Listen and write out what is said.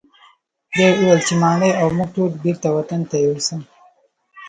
بیا یې وویل چې ماڼۍ او موږ ټول بیرته وطن ته یوسه.